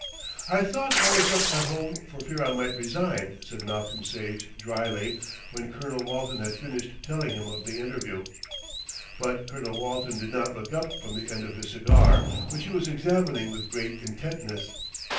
"I thought I was left at home for fear I might resign," said Malcolm Sage drily when Colonel Walton had finished telling him of the interview. But Colonel Walton did not look up from the end of his cigar, which he was examining with great intentness.